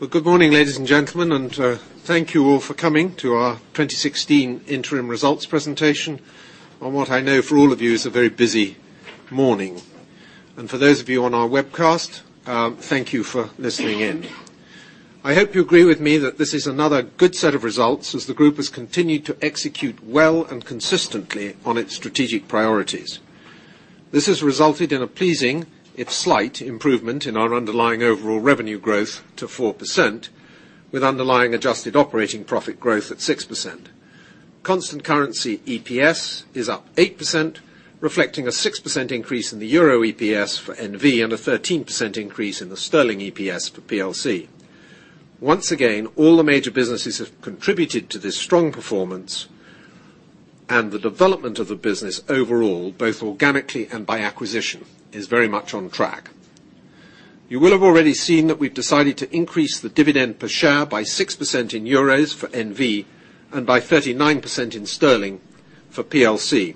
Good morning, ladies and gentlemen, thank you all for coming to our 2016 interim results presentation on what I know for all of you is a very busy morning. For those of you on our webcast, thank you for listening in. I hope you agree with me that this is another good set of results as the group has continued to execute well and consistently on its strategic priorities. This has resulted in a pleasing, if slight, improvement in our underlying overall revenue growth to 4%, with underlying adjusted operating profit growth at 6%. Constant currency EPS is up 8%, reflecting a 6% increase in the EUR EPS for NV and a 13% increase in the GBP EPS for PLC. Once again, all the major businesses have contributed to this strong performance, the development of the business overall, both organically and by acquisition, is very much on track. You will have already seen that we've decided to increase the dividend per share by 6% in EUR for NV and by 39% in GBP for PLC.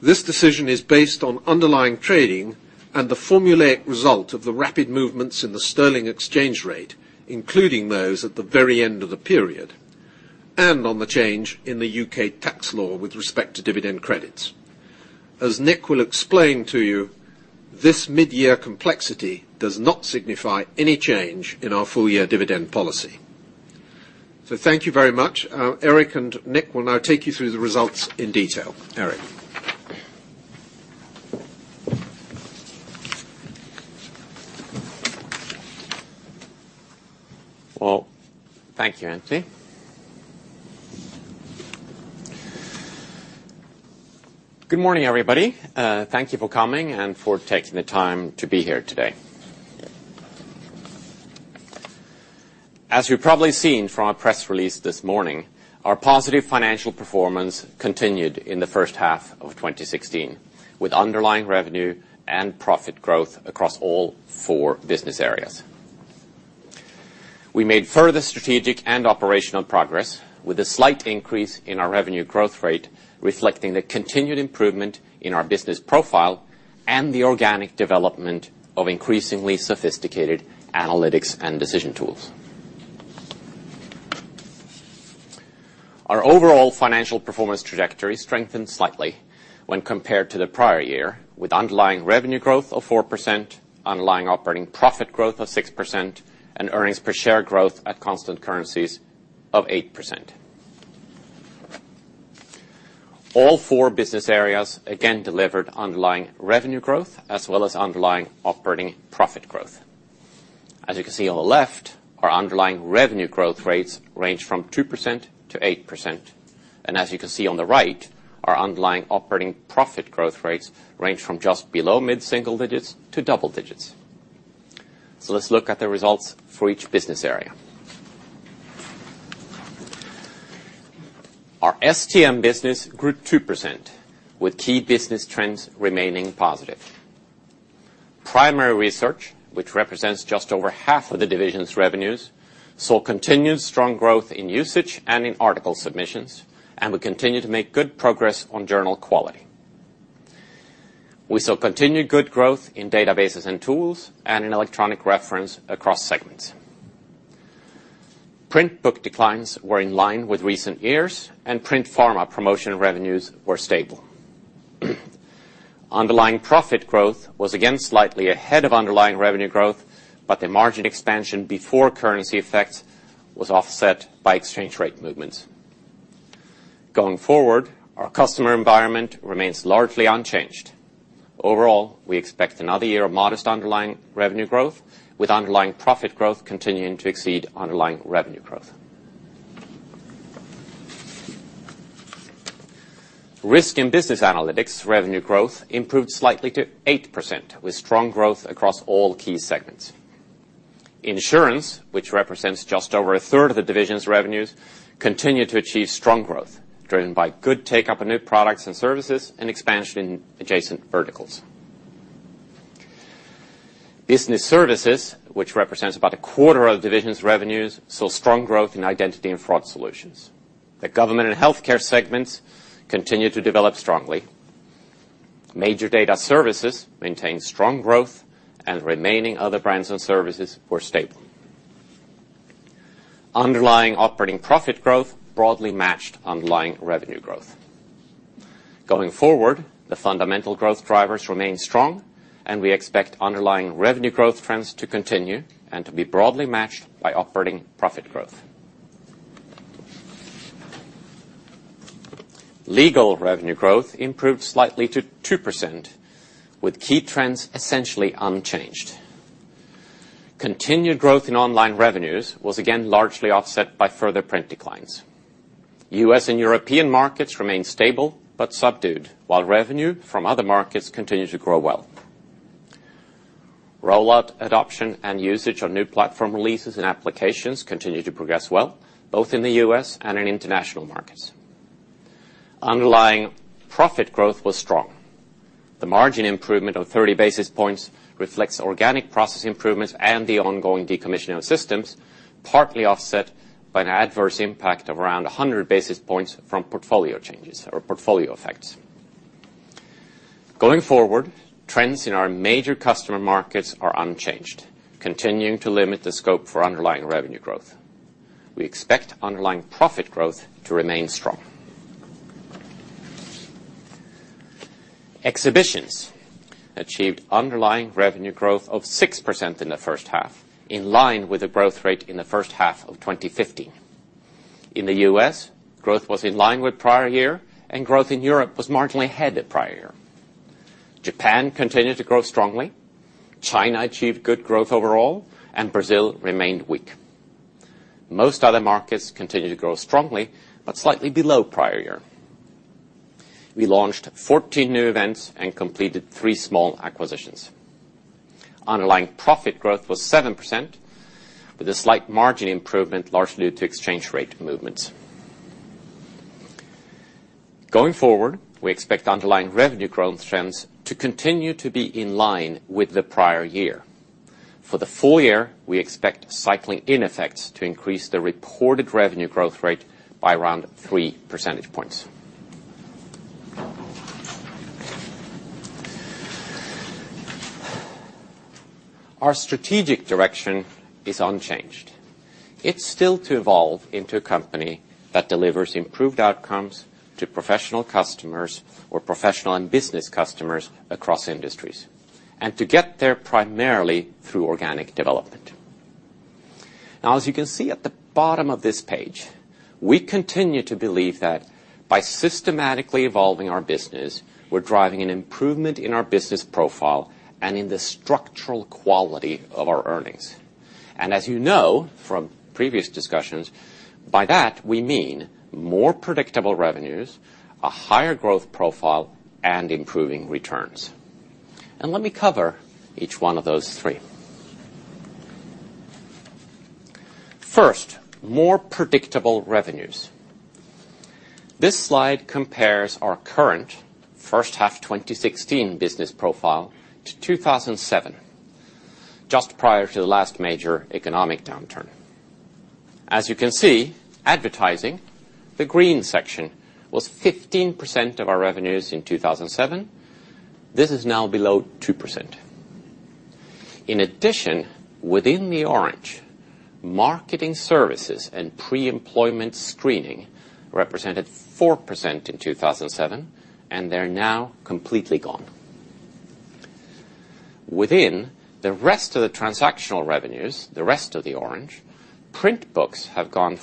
This decision is based on underlying trading and the formulaic result of the rapid movements in the GBP exchange rate, including those at the very end of the period, and on the change in the U.K. tax law with respect to dividend credits. As Nick will explain to you, this mid-year complexity does not signify any change in our full-year dividend policy. Thank you very much. Erik and Nick will now take you through the results in detail. Erik. Well, thank you, Anthony. Good morning, everybody. Thank you for coming and for taking the time to be here today. As you've probably seen from our press release this morning, our positive financial performance continued in the first half of 2016, with underlying revenue and profit growth across all four business areas. We made further strategic and operational progress with a slight increase in our revenue growth rate, reflecting the continued improvement in our business profile and the organic development of increasingly sophisticated analytics and decision tools. Our overall financial performance trajectory strengthened slightly when compared to the prior year, with underlying revenue growth of 4%, underlying operating profit growth of 6%, and earnings per share growth at constant currencies of 8%. All four business areas again delivered underlying revenue growth as well as underlying operating profit growth. You can see on the left, our underlying revenue growth rates range from 2%-8%. You can see on the right, our underlying operating profit growth rates range from just below mid-single digits to double digits. Let's look at the results for each business area. Our STM business grew 2%, with key business trends remaining positive. Primary research, which represents just over half of the division's revenues, saw continued strong growth in usage and in article submissions, and we continue to make good progress on journal quality. We saw continued good growth in databases and tools and in electronic reference across segments. Print book declines were in line with recent years, and print pharma promotion revenues were stable. Underlying profit growth was again slightly ahead of underlying revenue growth, but the margin expansion before currency effect was offset by exchange rate movements. Going forward, our customer environment remains largely unchanged. Overall, we expect another year of modest underlying revenue growth, with underlying profit growth continuing to exceed underlying revenue growth. Risk & Business Analytics revenue growth improved slightly to 8%, with strong growth across all key segments. Insurance, which represents just over a third of the division's revenues, continued to achieve strong growth, driven by good take-up of new products and services and expansion in adjacent verticals. Business services, which represents about a quarter of the division's revenues, saw strong growth in identity and fraud solutions. The government and healthcare segments continued to develop strongly. Major data services maintained strong growth, and remaining other brands and services were stable. Underlying operating profit growth broadly matched underlying revenue growth. Going forward, the fundamental growth drivers remain strong. We expect underlying revenue growth trends to continue and to be broadly matched by operating profit growth. Legal revenue growth improved slightly to 2%, with key trends essentially unchanged. Continued growth in online revenues was again largely offset by further print declines. U.S. and European markets remained stable but subdued, while revenue from other markets continued to grow well. Rollout adoption and usage on new platform releases and applications continued to progress well, both in the U.S. and in international markets. Underlying profit growth was strong. The margin improvement of 30 basis points reflects organic process improvements and the ongoing decommissioning of systems, partly offset by an adverse impact of around 100 basis points from portfolio changes or portfolio effects. Going forward, trends in our major customer markets are unchanged, continuing to limit the scope for underlying revenue growth. We expect underlying profit growth to remain strong. Exhibitions achieved underlying revenue growth of 6% in the first half, in line with the growth rate in the first half of 2015. In the U.S., growth was in line with prior year, and growth in Europe was marginally ahead of prior year. Japan continued to grow strongly, China achieved good growth overall, and Brazil remained weak. Most other markets continued to grow strongly, but slightly below prior year. We launched 14 new events and completed three small acquisitions. Underlying profit growth was 7%, with a slight margin improvement largely due to exchange rate movements. Going forward, we expect underlying revenue growth trends to continue to be in line with the prior year. For the full year, we expect cycling in effects to increase the reported revenue growth rate by around three percentage points. Our strategic direction is unchanged. It's still to evolve into a company that delivers improved outcomes to professional customers or professional and business customers across industries. To get there primarily through organic development. As you can see at the bottom of this page, we continue to believe that by systematically evolving our business, we're driving an improvement in our business profile and in the structural quality of our earnings. As you know from previous discussions, by that, we mean more predictable revenues, a higher growth profile, and improving returns. Let me cover each one of those three. First, more predictable revenues. This slide compares our current first half 2016 business profile to 2007, just prior to the last major economic downturn. As you can see, advertising, the green section, was 15% of our revenues in 2007. This is now below 2%. In addition, within the orange, marketing services and pre-employment screening represented 4% in 2007, and they're now completely gone. Within the rest of the transactional revenues, the rest of the orange, print books have gone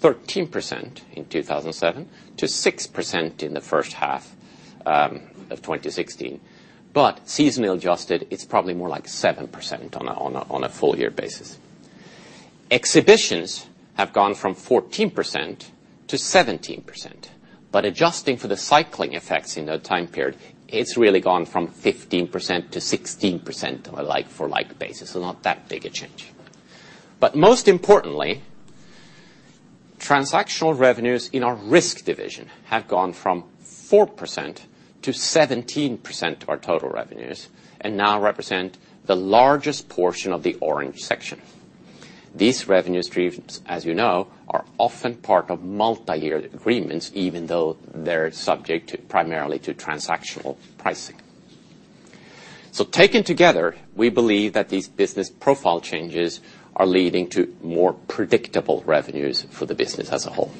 from 13% in 2007 to 6% in the first half of 2016. Seasonally adjusted, it's probably more like 7% on a full year basis. Exhibitions have gone from 14% to 17%, Adjusting for the cycling effects in that time period, it's really gone from 15% to 16% on a like-for-like basis, not that big a change. Most importantly, transactional revenues in our risk division have gone from 4% to 17% of our total revenues and now represent the largest portion of the orange section. These revenue streams, as you know, are often part of multi-year agreements, even though they're subject primarily to transactional pricing. Taken together, we believe that these business profile changes are leading to more predictable revenues for the business as a whole.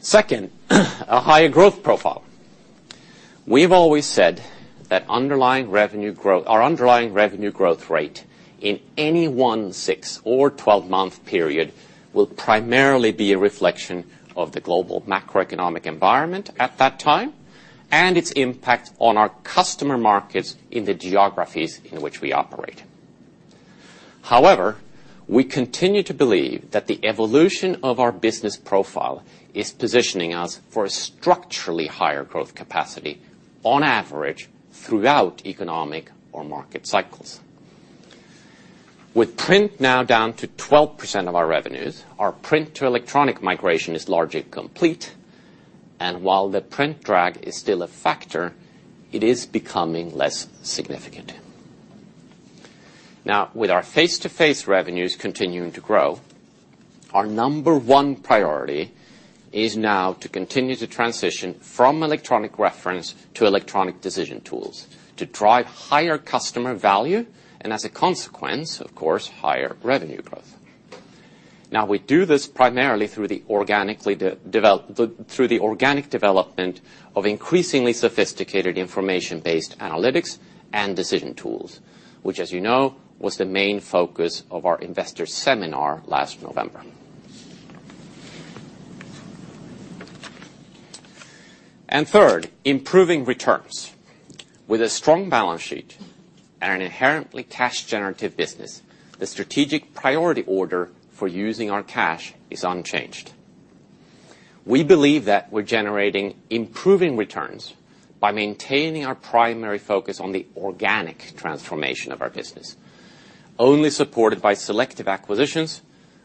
Second, a higher growth profile. We've always said that our underlying revenue growth rate in any one six or 12-month period will primarily be a reflection of the global macroeconomic environment at that time and its impact on our customer markets in the geographies in which we operate. We continue to believe that the evolution of our business profile is positioning us for a structurally higher growth capacity on average throughout economic or market cycles. With print now down to 12% of our revenues, our print-to-electronic migration is largely complete, while the print drag is still a factor, it is becoming less significant. With our face-to-face revenues continuing to grow, our number 1 priority is now to continue to transition from electronic reference to electronic decision tools to drive higher customer value and as a consequence, of course, higher revenue growth. We do this primarily through the organic development of increasingly sophisticated information-based analytics and decision tools, which as you know, was the main focus of our investor seminar last November. Third, improving returns. With a strong balance sheet and an inherently cash-generative business, the strategic priority order for using our cash is unchanged. We believe that we're generating improving returns by maintaining our primary focus on the organic transformation of our business, only supported by selective acquisitions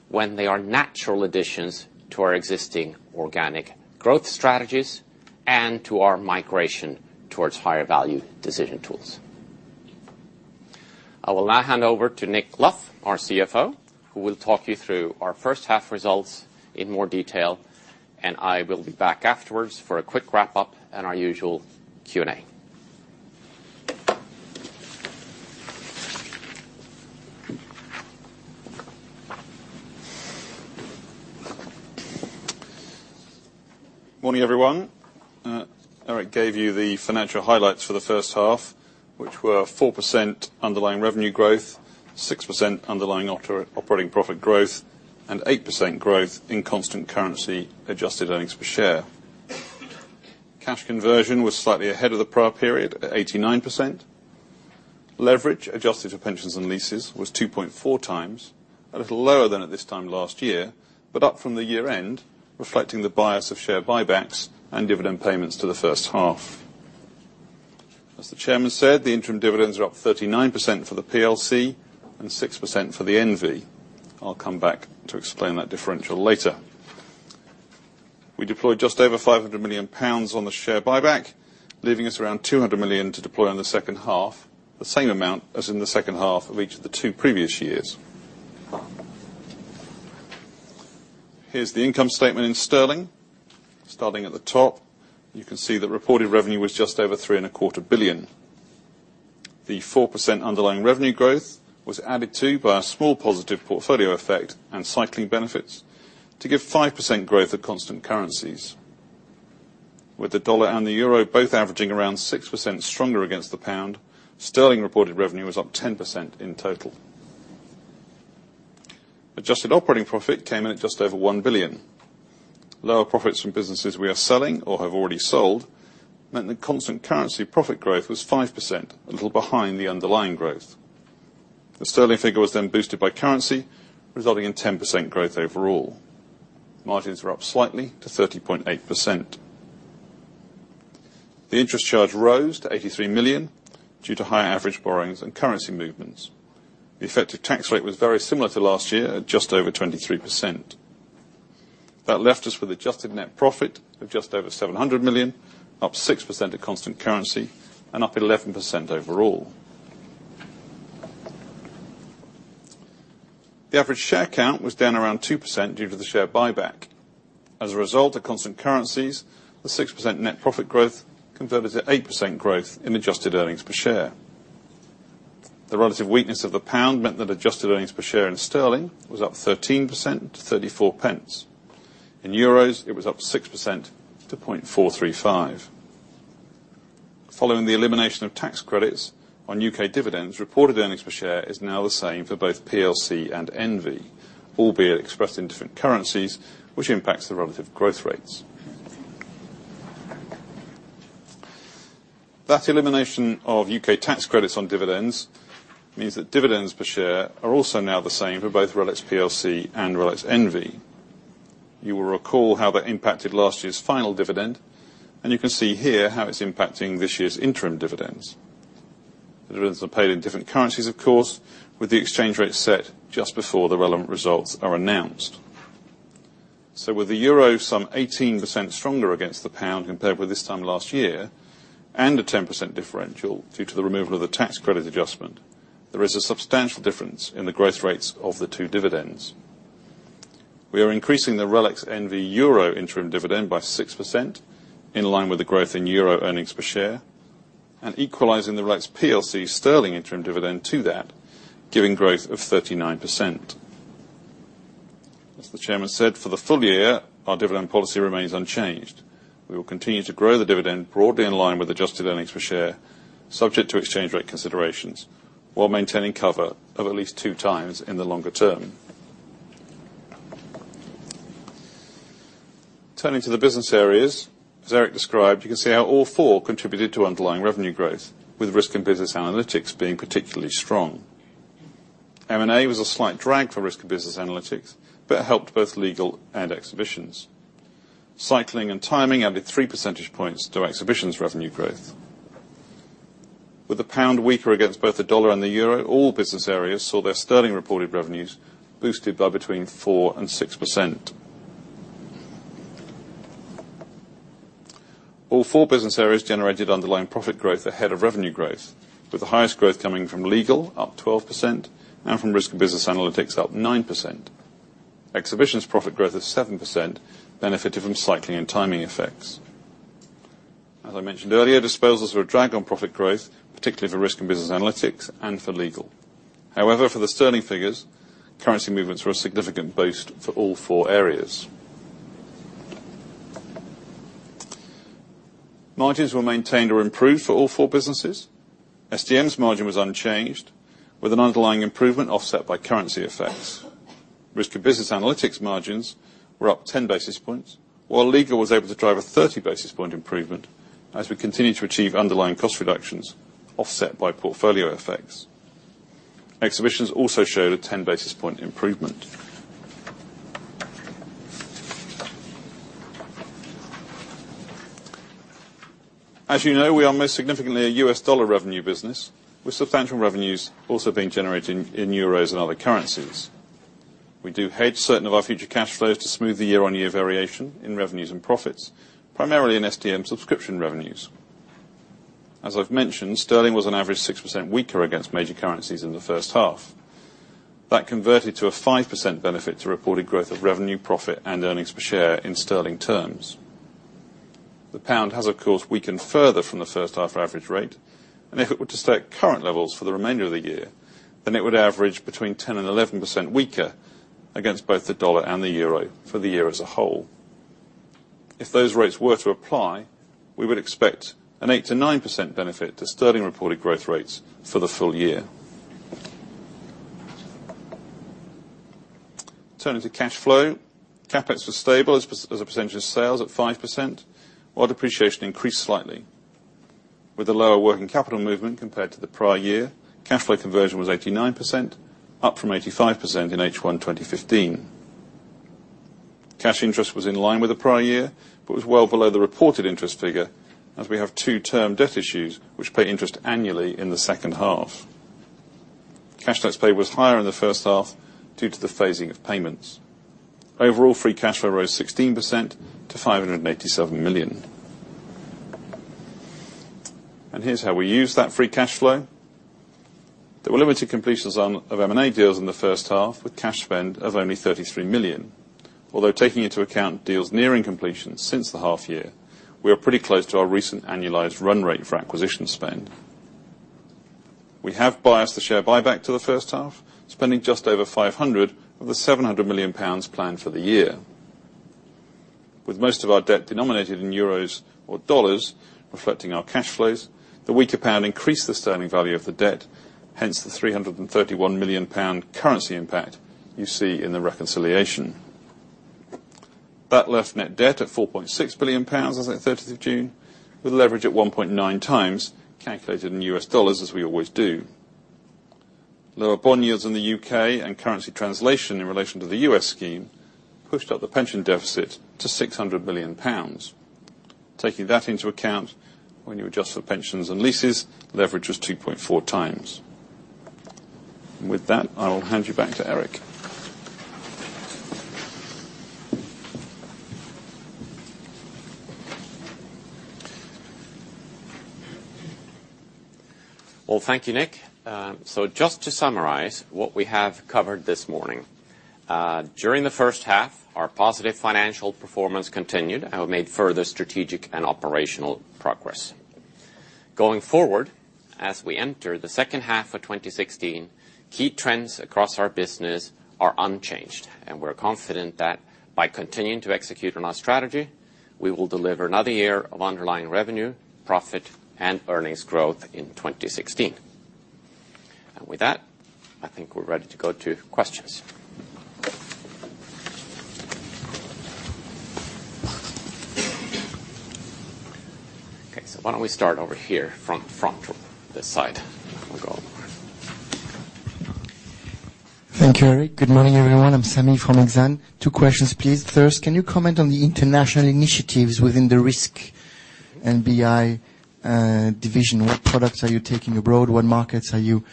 when they are natural additions to our existing organic growth strategies and to our migration towards higher value decision tools. I will now hand over to Nick Luff, our CFO, who will talk you through our first half results in more detail. I will be back afterwards for a quick wrap-up and our usual Q&A. Morning, everyone. Erik gave you the financial highlights for the first half, which were 4% underlying revenue growth, 6% underlying operating profit growth, and 8% growth in constant currency adjusted earnings per share. Cash conversion was slightly ahead of the prior period at 89%. Leverage, adjusted for pensions and leases, was 2.4 times. A little lower than at this time last year, but up from the year end, reflecting the bias of share buybacks and dividend payments to the first half. As the chairman said, the interim dividends are up 39% for the PLC and 6% for the NV. I will come back to explain that differential later. We deployed just over 500 million pounds on the share buyback, leaving us around 200 million to deploy on the second half, the same amount as in the second half of each of the two previous years. Here is the income statement in sterling. Starting at the top, you can see that reported revenue was just over three and a quarter billion. The 4% underlying revenue growth was added to by a small positive portfolio effect and cycling benefits to give 5% growth at constant currencies. With the U.S. dollar and the EUR both averaging around 6% stronger against the GBP reported revenue was up 10% in total. Adjusted operating profit came in at just over 1 billion. Lower profits from businesses we are selling or have already sold meant the constant currency profit growth was 5%, a little behind the underlying growth. The GBP figure was then boosted by currency, resulting in 10% growth overall. Margins were up slightly to 30.8%. The interest charge rose to 83 million due to higher average borrowings and currency movements. The effective tax rate was very similar to last year at just over 23%. That left us with adjusted net profit of just over 700 million, up 6% at constant currency and up 11% overall. The average share count was down around 2% due to the share buyback. As a result, at constant currencies, the 6% net profit growth converted to 8% growth in adjusted earnings per share. The relative weakness of the GBP meant that adjusted earnings per share in GBP was up 13% to 0.34. In EUR, it was up 6% to 0.435. Following the elimination of tax credits on U.K. dividends, reported earnings per share is now the same for both the PLC and the NV, albeit expressed in different currencies, which impacts the relative growth rates. That elimination of U.K. tax credits on dividends means that dividends per share are also now the same for both RELX PLC and RELX NV. You will recall how that impacted last year's final dividend, and you can see here how it is impacting this year's interim dividends. Dividends are paid in different currencies, of course, with the exchange rate set just before the relevant results are announced. With the EUR some 18% stronger against the GBP compared with this time last year and a 10% differential due to the removal of the tax credit adjustment, there is a substantial difference in the growth rates of the two dividends. We are increasing the RELX NV EUR interim dividend by 6%, in line with the growth in EUR earnings per share, and equalizing the RELX PLC GBP interim dividend to that, giving growth of 39%. As the chairman said, for the full year, our dividend policy remains unchanged. We will continue to grow the dividend broadly in line with adjusted earnings per share, subject to exchange rate considerations, while maintaining cover of at least two times in the longer term. Turning to the business areas, as Erik described, you can see how all four contributed to underlying revenue growth, with Risk & Business Analytics being particularly strong. M&A was a slight drag for Risk & Business Analytics, but helped both legal and exhibitions. Cycling and timing added three percentage points to exhibitions revenue growth. With the pound weaker against both the dollar and the euro, all business areas saw their GBP reported revenues boosted by between 4% and 6%. All four business areas generated underlying profit growth ahead of revenue growth, with the highest growth coming from legal, up 12%, and from Risk & Business Analytics up 9%. Exhibitions profit growth is 7%, benefiting from cycling and timing effects. As I mentioned earlier, disposals were a drag on profit growth, particularly for Risk & Business Analytics and for legal. However, for the GBP figures, currency movements were a significant boost for all four areas. Margins were maintained or improved for all four businesses. STM's margin was unchanged, with an underlying improvement offset by currency effects. Risk & Business Analytics margins were up 10 basis points, while legal was able to drive a 30 basis point improvement as we continue to achieve underlying cost reductions offset by portfolio effects. Exhibitions also showed a 10 basis point improvement. As you know, we are most significantly a US dollar revenue business, with substantial revenues also being generated in euros and other currencies. We do hedge certain of our future cash flows to smooth the year-on-year variation in revenues and profits, primarily in STM subscription revenues. As I've mentioned, GBP was on average 6% weaker against major currencies in the first half. That converted to a 5% benefit to reported growth of revenue, profit and earnings per share in GBP terms. The pound has, of course, weakened further from the first half average rate, and if it were to stay at current levels for the remainder of the year, it would average between 10% and 11% weaker against both the dollar and the euro for the year as a whole. If those rates were to apply, we would expect an 8%-9% benefit to GBP reported growth rates for the full year. Turning to cash flow, CapEx was stable as a percentage of sales at 5%, while depreciation increased slightly. With the lower working capital movement compared to the prior year, cash flow conversion was 89%, up from 85% in H1 2015. Cash interest was in line with the prior year, but was well below the reported interest figure as we have two-term debt issues which pay interest annually in the second half. Cash tax paid was higher in the first half due to the phasing of payments. Overall, free cash flow rose 16% to 587 million. Here's how we use that free cash flow. There were limited completions of M&A deals in the first half, with cash spend of only 33 million. Although taking into account deals nearing completion since the half year, we are pretty close to our recent annualized run rate for acquisition spend. We have biased the share buyback to the first half, spending just over 500 of the 700 million pounds planned for the year. With most of our debt denominated in EUR or USD, reflecting our cash flows, the weaker pound increased the sterling value of the debt, hence the 331 million pound currency impact you see in the reconciliation. That left net debt at GBP 4.6 billion as at 30th of June, with leverage at 1.9 times, calculated in U.S. dollars, as we always do. Lower bond yields in the U.K. and currency translation in relation to the U.S. scheme pushed up the pension deficit to 600 million pounds. Taking that into account when you adjust for pensions and leases, leverage was 2.4 times. With that, I will hand you back to Erik. Well, thank you, Nick. Just to summarize what we have covered this morning. During the first half, our positive financial performance continued, and we made further strategic and operational progress. Going forward, as we enter the second half of 2016, key trends across our business are unchanged, and we're confident that by continuing to execute on our strategy, we will deliver another year of underlying revenue, profit, and earnings growth in 2016. With that, I think we're ready to go to questions. Why don't we start over here from the front, this side, and we'll go Thank you, Erik. Good morning, everyone. I'm Sami from Exane. Two questions, please. First, can you comment on the international initiatives within the Risk and BI division? What products are you taking abroad? What markets are you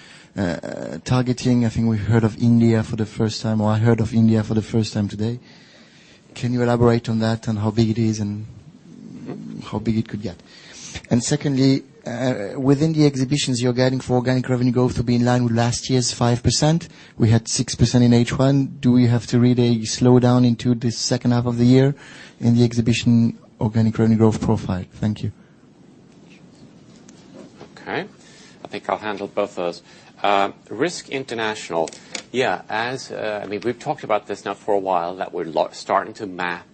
targeting? I think we heard of India for the first time, or I heard of India for the first time today. Can you elaborate on that, on how big it is and how big it could get? Secondly, within the Exhibitions, you're guiding for organic revenue growth to be in line with last year's 5%. We had 6% in H1. Do we have to read a slowdown into the second half of the year in the Exhibition organic revenue growth profile? Thank you. Okay. I think I'll handle both those. Risk International. We've talked about this now for a while, that we're starting to map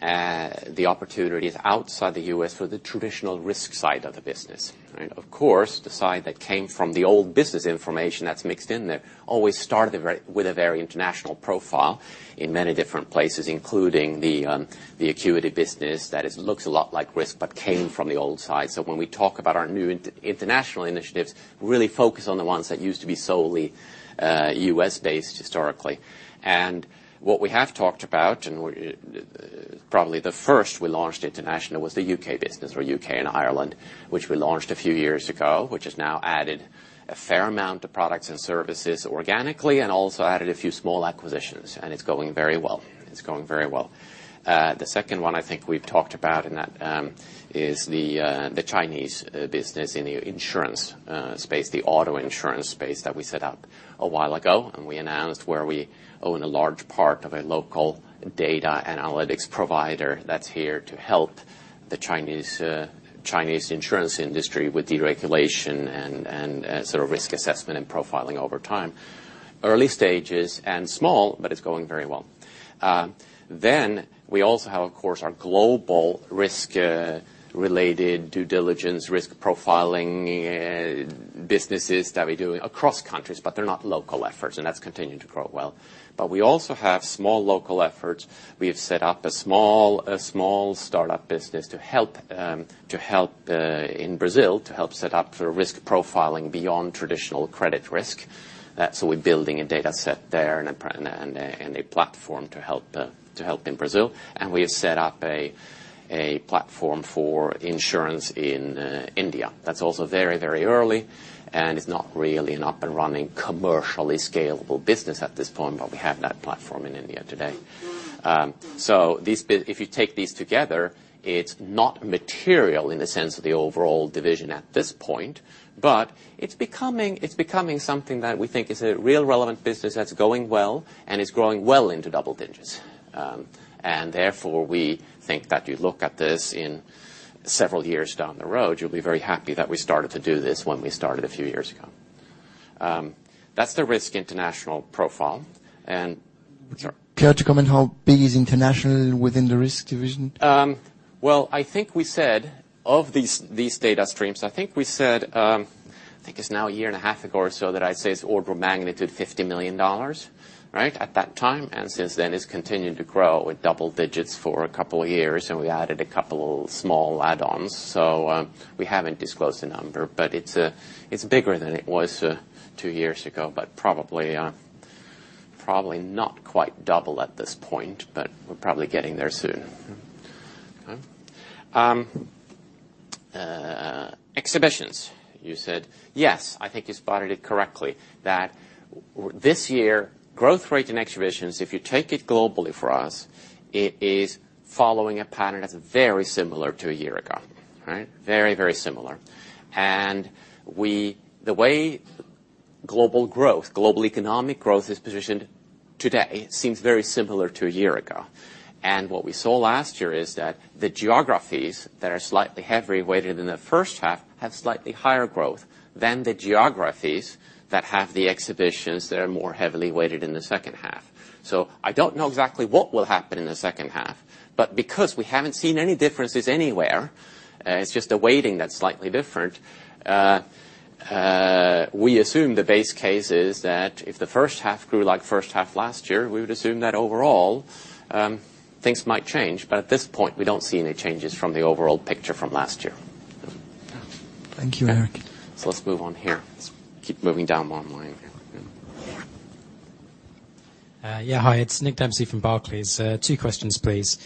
the opportunities outside the U.S. for the traditional Risk side of the business. Of course, the side that came from the old business information that's mixed in there always started with a very international profile in many different places, including the Accuity business, that it looks a lot like Risk, but came from the old side. When we talk about our new international initiatives, we really focus on the ones that used to be solely U.S.-based historically. What we have talked about, and probably the first we launched international was the U.K. business, or U.K. and Ireland, which we launched a few years ago. Which has now added a fair amount of products and services organically, and also added a few small acquisitions, and it's going very well. The second one I think we've talked about, and that is the Chinese business in the insurance space, the auto insurance space that we set up a while ago. We announced where we own a large part of a local data analytics provider that's here to help the Chinese insurance industry with deregulation and risk assessment and profiling over time. Early stages and small, but it's going very well. We also have, of course, our global risk-related due diligence, risk profiling and businesses that we do across countries, but they're not local efforts, and that's continuing to grow well. We also have small local efforts. We have set up a small startup business in Brazil to help set up for risk profiling beyond traditional credit risk. We're building a data set there and a platform to help in Brazil. We have set up a platform for insurance in India. That's also very early, and it's not really an up-and-running, commercially scalable business at this point, but we have that platform in India today. If you take these together, it's not material in the sense of the overall division at this point, but it's becoming something that we think is a real relevant business that's going well, and is growing well into double digits. Therefore, we think that you look at this in several years down the road, you'll be very happy that we started to do this when we started a few years ago. That's the risk international profile. Care to comment how big is international within the risk division? Well, I think we said, of these data streams, I think it's now a year and a half ago or so that I'd say it's order of magnitude GBP 50 million. At that time, and since then, it's continued to grow in double digits for a couple of years, and we added a couple of small add-ons. We haven't disclosed the number, but it's bigger than it was two years ago, but probably not quite double at this point, but we're probably getting there soon. Okay. Exhibitions. You said, yes, I think you spotted it correctly that this year, growth rate in Exhibitions, if you take it globally for us, it is following a pattern that's very similar to a year ago, right? Very similar. The way global economic growth is positioned today seems very similar to a year ago. What we saw last year is that the geographies that are slightly heavier weighted in the first half have slightly higher growth than the geographies that have the exhibitions that are more heavily weighted in the second half. I do not know exactly what will happen in the second half, because we have not seen any differences anywhere, it is just a weighting that is slightly different, we assume the base case is that if the first half grew like the first half last year, we would assume that overall, things might change. At this point, we do not see any changes from the overall picture from last year. Thank you, Erik. Let us move on here. Let us keep moving down one line. Hi, it is Nick Dempsey from Barclays. Two questions, please.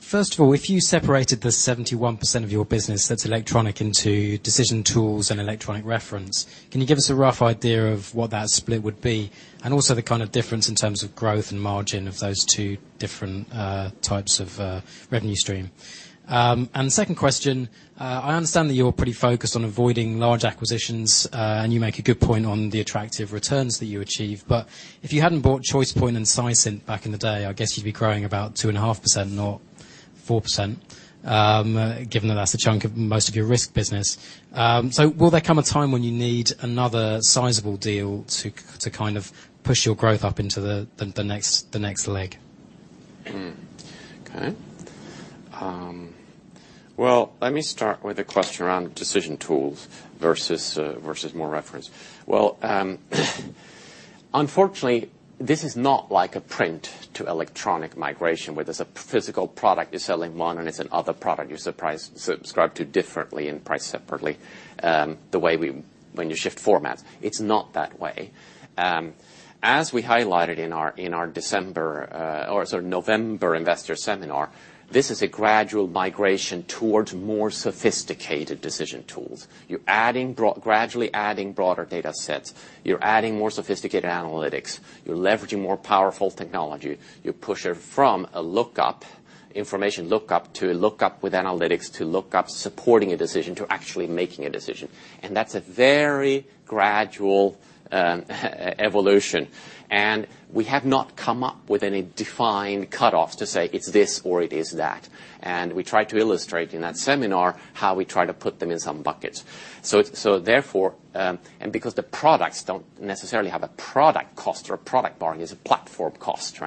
First of all, if you separated the 71% of your business that is electronic into decision tools and electronic reference, can you give us a rough idea of what that split would be? Also the kind of difference in terms of growth and margin of those 2 different types of revenue stream. Second question, I understand that you are pretty focused on avoiding large acquisitions, and you make a good point on the attractive returns that you achieve. If you had not bought ChoicePoint and Seisint back in the day, I guess you would be growing about 2.5%, not 4%, given that that is a chunk of most of your risk business. Will there come a time when you need another sizable deal to kind of push your growth up into the next leg? Well, let me start with the question around decision tools versus more reference. Unfortunately, this is not like a print-to-electronic migration, where there's a physical product, you're selling one, and it's another product you subscribe to differently and priced separately, the way when you shift formats. It's not that way. As we highlighted in our November investor seminar, this is a gradual migration towards more sophisticated decision tools. You're gradually adding broader data sets. You're adding more sophisticated analytics. You're leveraging more powerful technology. You push it from a lookup, information lookup, to a lookup with analytics, to lookup supporting a decision, to actually making a decision. That's a very gradual evolution. We have not come up with any defined cutoffs to say it's this or it is that. We try to illustrate in that seminar how we try to put them in some buckets. Because the products don't necessarily have a product cost or a product borrowing, it's a platform cost.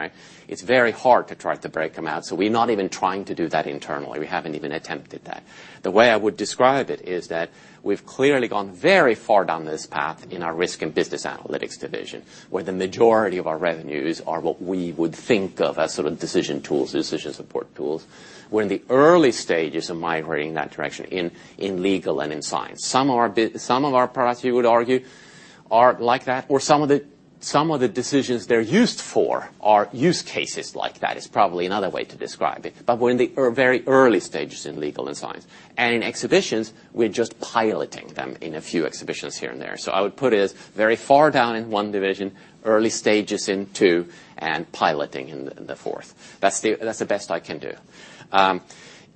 It's very hard to try to break them out. We're not even trying to do that internally. We haven't even attempted that. The way I would describe it is that we've clearly gone very far down this path in our Risk & Business Analytics division, where the majority of our revenues are what we would think of as sort of decision tools, decision support tools. We're in the early stages of migrating that direction in legal and in science. Some of our products, you would argue, are like that, or some of the decisions they're used for are use cases like that, is probably another way to describe it. We're in the very early stages in legal and in science. In exhibitions, we're just piloting them in a few exhibitions here and there. I would put it as very far down in one division, early stages in two, and piloting in the fourth. That's the best I can do.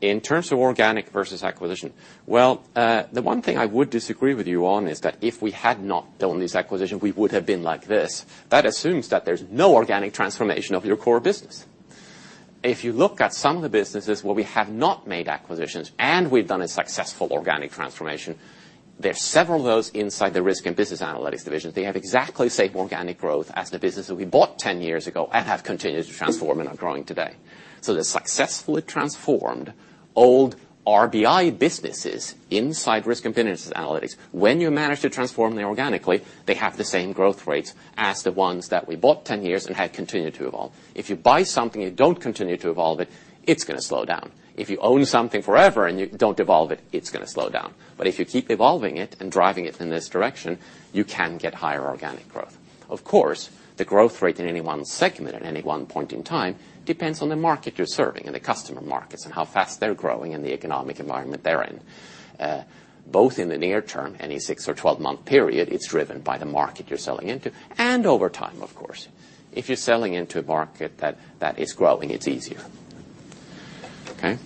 In terms of organic versus acquisition, well, the one thing I would disagree with you on is that if we had not done this acquisition, we would have been like this. That assumes that there's no organic transformation of your core business. If you look at some of the businesses where we have not made acquisitions and we've done a successful organic transformation, there's several of those inside the Risk & Business Analytics division. They have exactly the same organic growth as the business that we bought 10 years ago and have continued to transform and are growing today. They successfully transformed old RBI businesses inside Risk & Business Analytics. When you manage to transform them organically, they have the same growth rates as the ones that we bought 10 years ago and have continued to evolve. If you buy something, and you don't continue to evolve it's going to slow down. If you own something forever, and you don't evolve it's going to slow down. If you keep evolving it and driving it in this direction, you can get higher organic growth. Of course, the growth rate in any one segment at any one point in time depends on the market you're serving and the customer markets, and how fast they're growing and the economic environment they're in. Both in the near term, any six or 12-month period, it's driven by the market you're selling into, and over time, of course. If you're selling into a market that is growing, it's easier. Okay.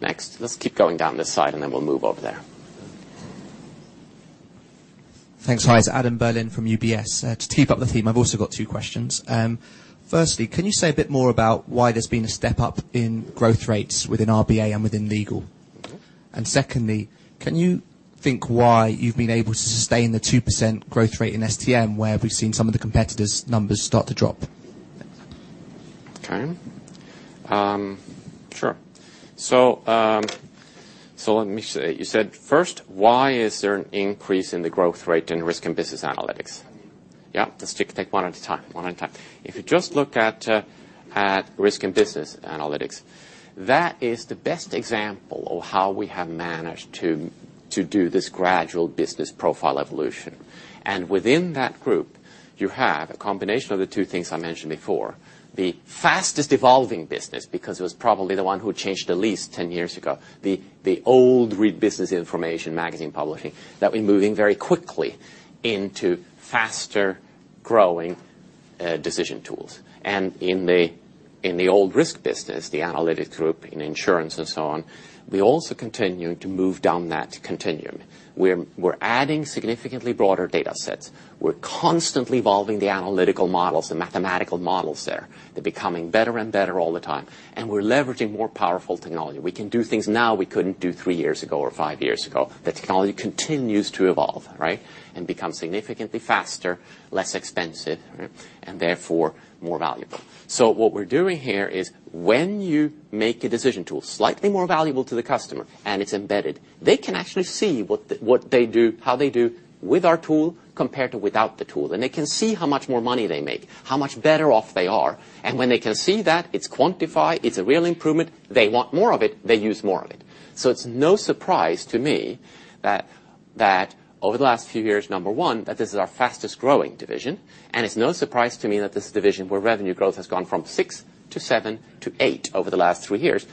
Next. Let's keep going down this side, then we'll move over there. Thanks. Hi, it's Adam Berlin from UBS. To keep up the theme, I've also got two questions. Firstly, can you say a bit more about why there's been a step-up in growth rates within RBA and within Legal? Secondly, can you think why you've been able to sustain the 2% growth rate in STM, where we've seen some of the competitors' numbers start to drop? Okay. Sure. Let me see. You said, first, why is there an increase in the growth rate in Risk & Business Analytics? I mean- Yeah. Let's take one at a time. If you just look at Risk and Business Analytics, that is the best example of how we have managed to do this gradual business profile evolution. Within that group, you have a combination of the two things I mentioned before. The fastest evolving business, because it was probably the one who changed the least 10 years ago, the old business information magazine publishing that we're moving very quickly into faster-growing decision tools. In the old risk business, the analytic group in insurance and so on, we also continue to move down that continuum. We're adding significantly broader data sets. We're constantly evolving the analytical models, the mathematical models there. They're becoming better and better all the time, and we're leveraging more powerful technology. We can do things now we couldn't do three years ago or five years ago. The technology continues to evolve, right, and become significantly faster, less expensive, and therefore, more valuable. What we're doing here is when you make a decision tool slightly more valuable to the customer and it's embedded, they can actually see how they do with our tool compared to without the tool. They can see how much more money they make, how much better off they are. When they can see that, it's quantified, it's a real improvement, they want more of it, they use more of it. It's no surprise to me that over the last few years, number one, that this is our fastest-growing division, and it's no surprise to me that this division, where revenue growth has gone from six to seven to eight over the last three years.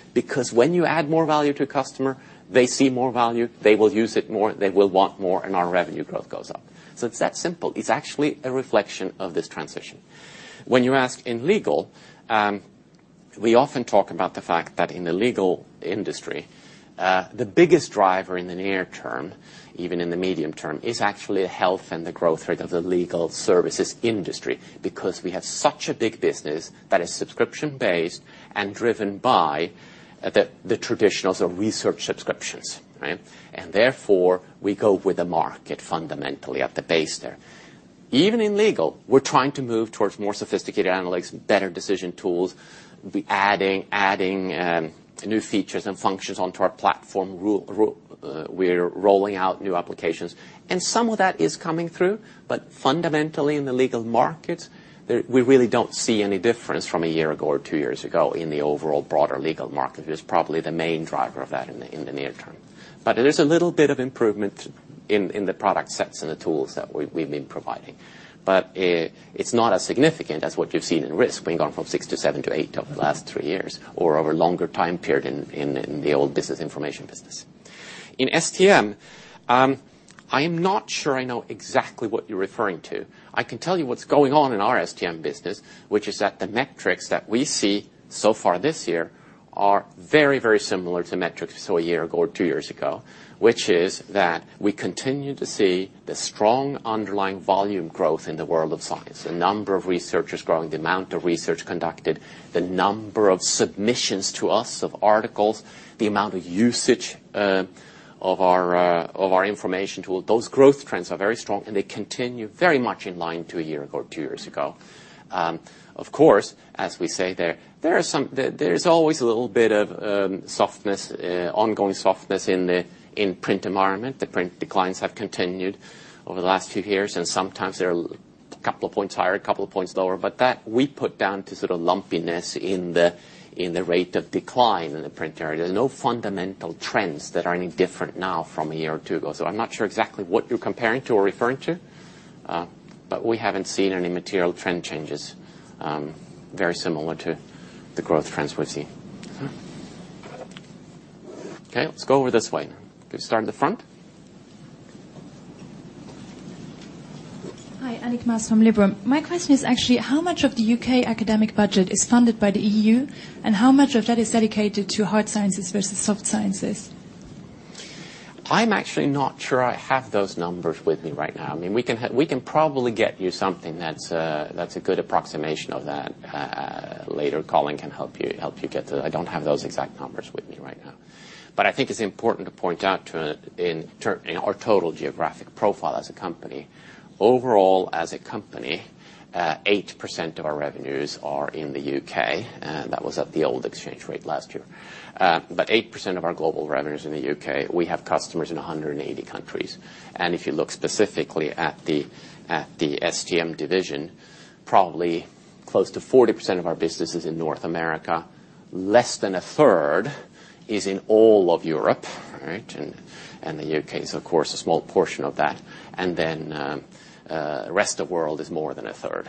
When you add more value to a customer, they see more value, they will use it more, they will want more, and our revenue growth goes up. It's that simple. It's actually a reflection of this transition. When you ask in Legal, we often talk about the fact that in the legal industry, the biggest driver in the near term, even in the medium term, is actually the health and the growth rate of the legal services industry because we have such a big business that is subscription-based and driven by the traditionals of research subscriptions, right? Therefore, we go with the market fundamentally at the base there. Even in Legal, we're trying to move towards more sophisticated analytics, better decision tools. We're adding new features and functions onto our platform. We're rolling out new applications, and some of that is coming through. Fundamentally, in the legal markets, we really don't see any difference from a year ago or two years ago in the overall broader legal market, who is probably the main driver of that in the near term. There is a little bit of improvement in the product sets and the tools that we've been providing. It's not as significant as what you've seen in Risk. We've gone from six to seven to eight over the last three years or over a longer time period in the old business information business. In STM, I am not sure I know exactly what you're referring to. I can tell you what's going on in our STM business, which is that the metrics that we see so far this year are very, very similar to metrics we saw a year ago or two years ago, which is that we continue to see the strong underlying volume growth in the world of science. The number of researchers growing, the amount of research conducted, the number of submissions to us of articles, the amount of usage of our information tool. Those growth trends are very strong, and they continue very much in line to a year ago or two years ago. Of course, as we say there is always a little bit of ongoing softness in print environment. The print declines have continued over the last few years, and sometimes they're a couple of points higher, a couple of points lower. That we put down to sort of lumpiness in the rate of decline in the print area. There's no fundamental trends that are any different now from a year or two ago. I'm not sure exactly what you're comparing to or referring to, but we haven't seen any material trend changes very similar to the growth trends we've seen. Let's go over this way now. Can we start in the front? Hi, Alik Mass from Liberum. My question is actually, how much of the U.K. academic budget is funded by the E.U., and how much of that is dedicated to hard sciences versus soft sciences? I'm actually not sure I have those numbers with me right now. We can probably get you something that's a good approximation of that later. Colin can help you get that. I don't have those exact numbers with me right now. I think it's important to point out our total geographic profile as a company. Overall, as a company, 8% of our revenues are in the U.K. That was at the old exchange rate last year. 8% of our global revenues are in the U.K. We have customers in 180 countries. If you look specifically at the STM division, probably close to 40% of our business is in North America. Less than a third is in all of Europe, and the U.K. is, of course, a small portion of that. The rest of world is more than a third.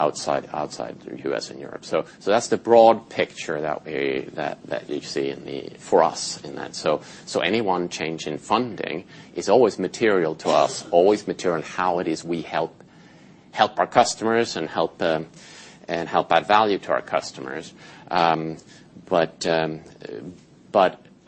Outside the U.S. and Europe. That's the broad picture that you see for us in that. Any one change in funding is always material to us, always material in how it is we help our customers and help add value to our customers.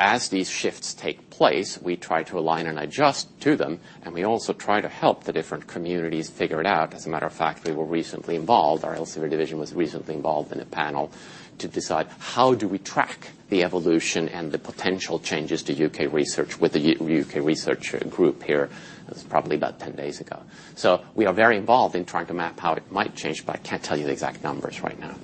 As these shifts take place, we try to align and adjust to them, and we also try to help the different communities figure it out. As a matter of fact, our Elsevier division was recently involved in a panel to decide how do we track the evolution and the potential changes to U.K. research with the U.K. research group here. It was probably about 10 days ago. We are very involved in trying to map how it might change, but I can't tell you the exact numbers right now.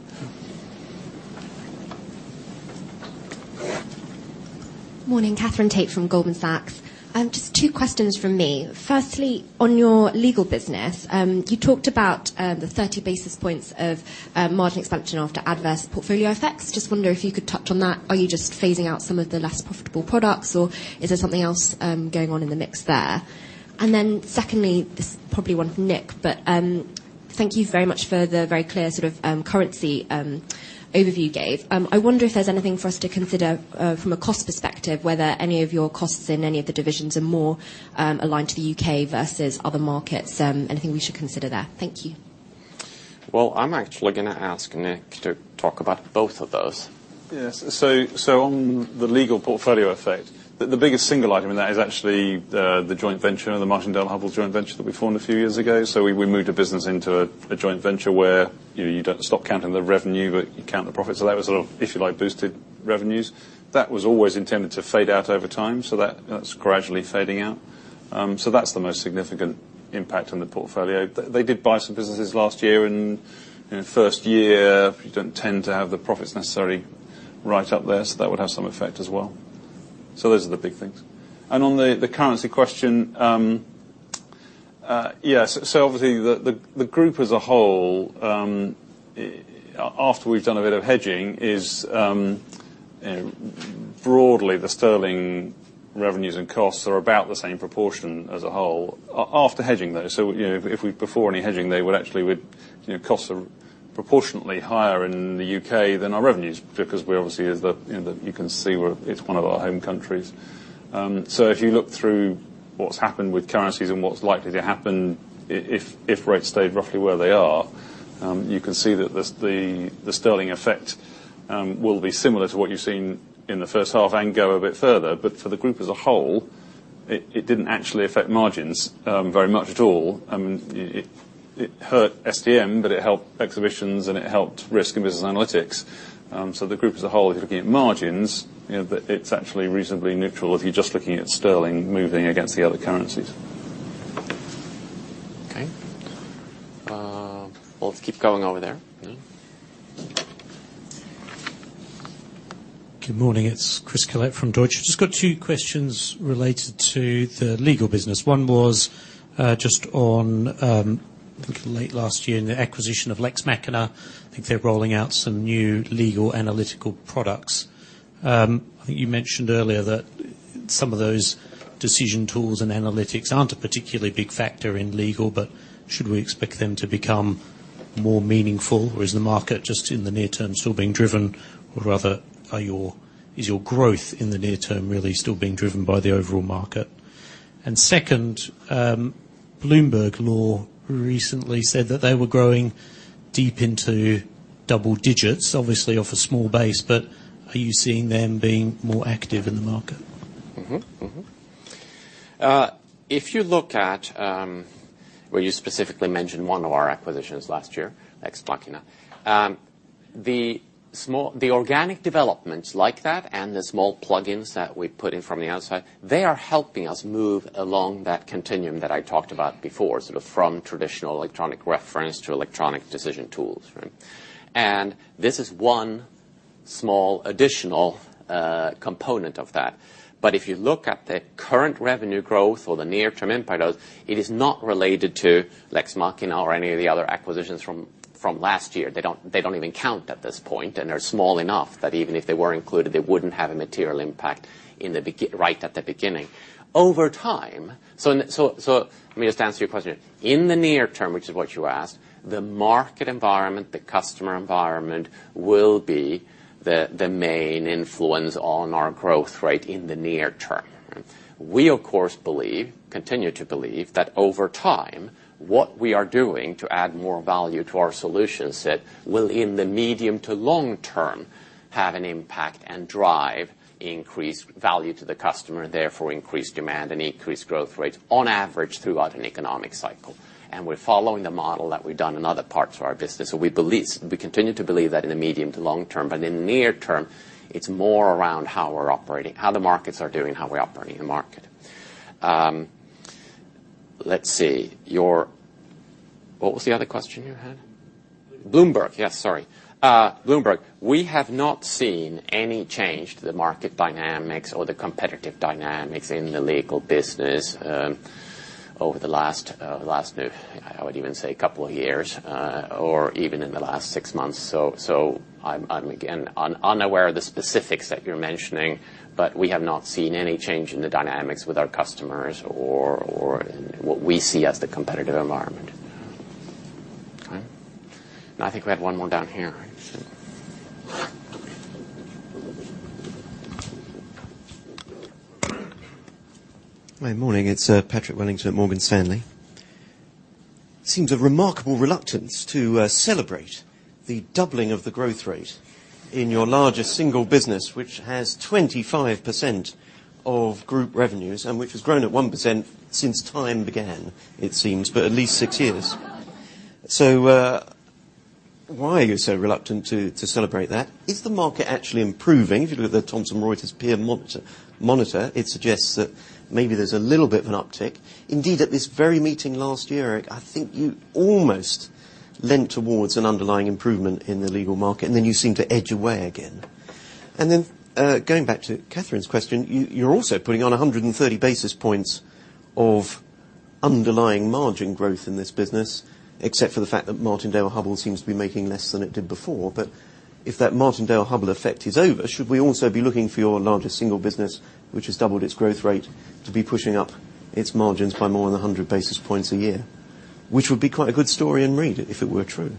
Morning. Katherine Tait from Goldman Sachs. Just two questions from me. Firstly, on your legal business, you talked about the 30 basis points of margin expansion after adverse portfolio effects. Just wonder if you could touch on that. Are you just phasing out some of the less profitable products, or is there something else going on in the mix there? Secondly, this is probably one for Nick, but thank you very much for the very clear currency overview you gave. I wonder if there's anything for us to consider from a cost perspective, whether any of your costs in any of the divisions are more aligned to the U.K. versus other markets, anything we should consider there. Thank you. Well, I'm actually going to ask Nick to talk about both of those. On the legal portfolio effect, the biggest single item in that is actually the Martindale-Hubbell joint venture that we formed a few years ago. We moved a business into a joint venture where you don't stop counting the revenue, but you count the profit. That was sort of, if you like, boosted revenues. That was always intended to fade out over time, that's gradually fading out. That's the most significant impact on the portfolio. They did buy some businesses last year, and in the first year, you don't tend to have the profits necessarily right up there. That would have some effect as well. Those are the big things. On the currency question, yes. Obviously, the group as a whole, after we've done a bit of hedging, broadly the sterling revenues and costs are about the same proportion as a whole. After hedging, though. Before any hedging, costs are proportionately higher in the U.K. than our revenues, because obviously, as you can see, it's one of our home countries. If you look through what's happened with currencies and what's likely to happen if rates stayed roughly where they are, you can see that the sterling effect will be similar to what you've seen in the first half and go a bit further. For the group as a whole, it didn't actually affect margins very much at all. It hurt STM, but it helped Exhibitions and it helped Risk & Business Analytics. The group as a whole, if you're looking at margins, it's actually reasonably neutral if you're just looking at sterling moving against the other currencies. Okay. Well, let's keep going over there. Yeah. Good morning. It's Chris Collett from Deutsche. Just got two questions related to the legal business. One was just on, a little late last year, the acquisition of Lex Machina. I think they're rolling out some new legal analytical products. I think you mentioned earlier that some of those decision tools and analytics aren't a particularly big factor in legal, should we expect them to become more meaningful, or is the market just in the near term still being driven? Rather, is your growth in the near term really still being driven by the overall market? Second, Bloomberg Law recently said that they were growing deep into double digits, obviously off a small base, are you seeing them being more active in the market? Well, you specifically mentioned one of our acquisitions last year, Lex Machina. The organic developments like that and the small plug-ins that we put in from the outside, they are helping us move along that continuum that I talked about before, sort of from traditional electronic reference to electronic decision tools. This is one small additional component of that. If you look at the current revenue growth or the near-term impact of it is not related to Lex Machina or any of the other acquisitions from last year. They don't even count at this point, and they're small enough that even if they were included, they wouldn't have a material impact right at the beginning. Let me just answer your question. In the near term, which is what you asked, the market environment, the customer environment will be the main influence on our growth in the near term. We, of course, continue to believe that over time, what we are doing to add more value to our solution set will, in the medium to long term, have an impact and drive increased value to the customer, therefore increased demand and increased growth rates on average throughout an economic cycle. We're following the model that we've done in other parts of our business. We continue to believe that in the medium to long term, in the near term, it's more around how we're operating, how the markets are doing, how we're operating the market. Let's see. What was the other question you had? Bloomberg. Bloomberg. Yes, sorry. Bloomberg, we have not seen any change to the market dynamics or the competitive dynamics in the legal business over the last, I would even say, couple of years, or even in the last six months. I'm, again, unaware of the specifics that you're mentioning, we have not seen any change in the dynamics with our customers or in what we see as the competitive environment. Okay. I think we had one more down here, actually. My morning. It is Patrick Wellington at Morgan Stanley. Seems a remarkable reluctance to celebrate the doubling of the growth rate in your largest single business, which has 25% of group revenues and which has grown at 1% since time began, it seems, but at least six years. Why are you so reluctant to celebrate that? Is the market actually improving? If you look at the Thomson Reuters Peer Monitor, it suggests that maybe there is a little bit of an uptick. Indeed, at this very meeting last year, Erik, I think you almost leaned towards an underlying improvement in the legal market, and then you seem to edge away again. Going back to Katherine’s question, you are also putting on 130 basis points of underlying margin growth in this business, except for the fact that Martindale-Hubbell seems to be making less than it did before. If that Martindale-Hubbell effect is over, should we also be looking for your largest single business, which has doubled its growth rate to be pushing up its margins by more than 100 basis points a year? Which would be quite a good story and read if it were true.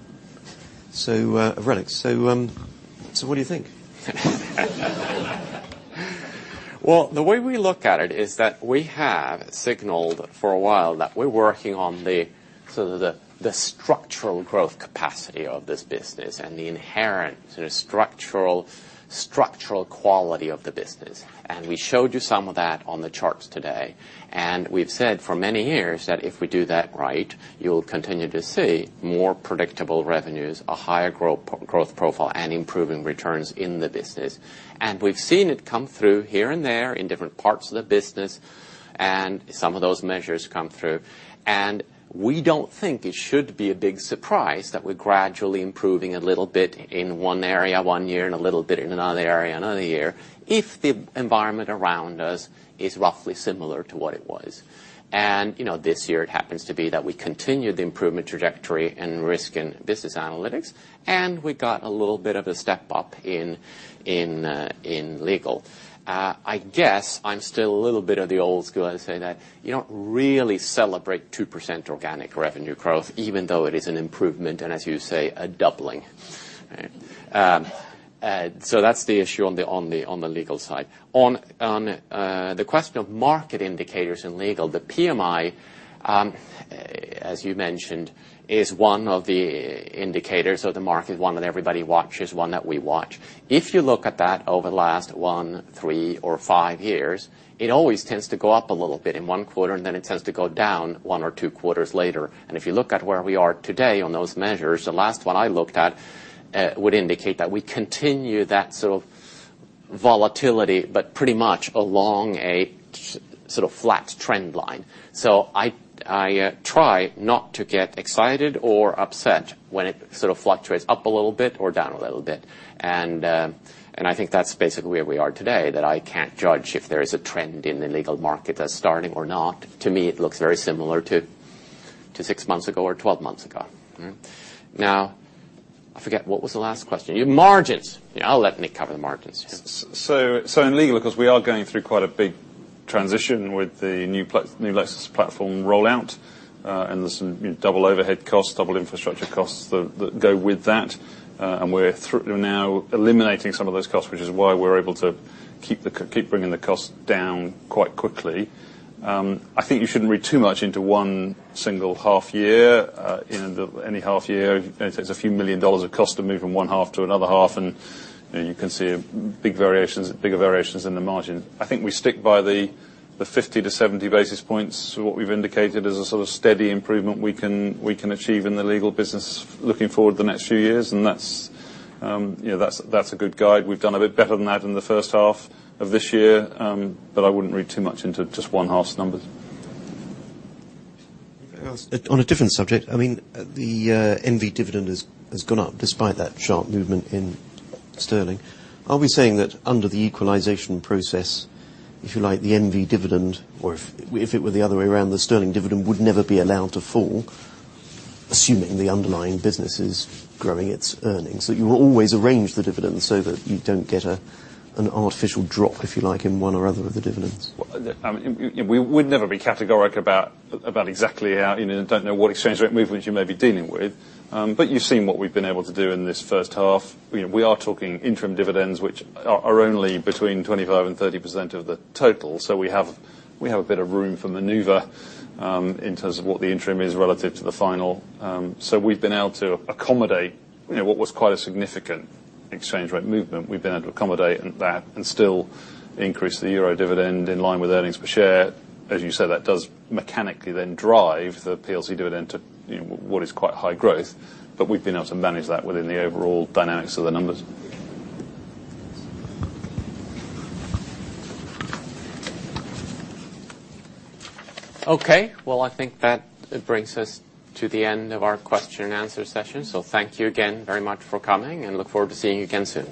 RELX. What do you think? Well, the way we look at it is that we have signaled for a while that we are working on the structural growth capacity of this business and the inherent structural quality of the business. We showed you some of that on the charts today. We have said for many years that if we do that right, you will continue to see more predictable revenues, a higher growth profile, and improving returns in the business. We have seen it come through here and there in different parts of the business, and some of those measures come through. We do not think it should be a big surprise that we are gradually improving a little bit in one area one year and a little bit in another area another year if the environment around us is roughly similar to what it was. This year it happens to be that we continue the improvement trajectory in Risk & Business Analytics, and we got a little bit of a step up in legal. I guess I am still a little bit of the old school. I say that you do not really celebrate 2% organic revenue growth, even though it is an improvement, and as you say, a doubling. That is the issue on the legal side. On the question of market indicators in legal, the PMI, as you mentioned, is one of the indicators of the market, one that everybody watches, one that we watch. If you look at that over the last one, three, or five years, it always tends to go up a little bit in one quarter, and then it tends to go down one or two quarters later. If you look at where we are today on those measures, the last one I looked at would indicate that we continue that sort of volatility, but pretty much along a flat trend line. I try not to get excited or upset when it fluctuates up a little bit or down a little bit. I think that's basically where we are today, that I can't judge if there is a trend in the legal market that's starting or not. To me, it looks very similar to six months ago or 12 months ago. I forget, what was the last question? Margins. I'll let Nick cover the margins. In legal, because we are going through quite a big transition with the new Lexis platform rollout, and there's some double overhead costs, double infrastructure costs that go with that. We're now eliminating some of those costs, which is why we're able to keep bringing the cost down quite quickly. I think you shouldn't read too much into one single half year. In any half year, it's a few million dollars of cost to move from one half to another half, and you can see bigger variations in the margin. I think we stick by the 50-70 basis points what we've indicated as a sort of steady improvement we can achieve in the legal business looking forward the next few years, and that's a good guide. We've done a bit better than that in the first half of this year, I wouldn't read too much into just one half's numbers. On a different subject, the NV dividend has gone up despite that sharp movement in sterling. Are we saying that under the equalization process, if you like, the NV dividend, or if it were the other way around, the sterling dividend would never be allowed to fall, assuming the underlying business is growing its earnings? That you will always arrange the dividend so that you don't get an artificial drop, if you like, in one or other of the dividends. We'd never be categoric about exactly. We don't know what exchange rate movements you may be dealing with. You've seen what we've been able to do in this first half. We are talking interim dividends, which are only between 25% and 30% of the total. We have a bit of room for maneuver in terms of what the interim is relative to the final. We've been able to accommodate what was quite a significant exchange rate movement. We've been able to accommodate that and still increase the EUR dividend in line with earnings per share. As you said, that does mechanically then drive the PLC dividend to what is quite high growth. We've been able to manage that within the overall dynamics of the numbers. Okay. Well, I think that brings us to the end of our question and answer session. Thank you again very much for coming, and look forward to seeing you again soon.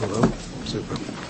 Hello. Super.